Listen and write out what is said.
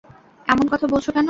এমন কথা বলছ কেন?